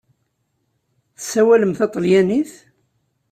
Tessawalem taṭalyanit?